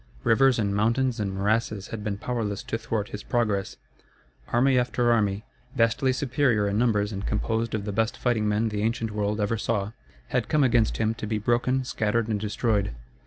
Rivers and mountains and morasses had been powerless to thwart his progress. Army after army, vastly superior in numbers and composed of the best fighting men the ancient world ever saw, had come against him to be broken, scattered, and destroyed.